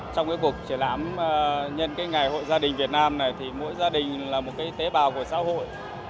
trong cuộc triển lãm nhân ngày hội gia đình việt nam này mỗi gia đình là một tế bào của xã hội